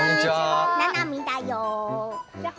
ななみだよ。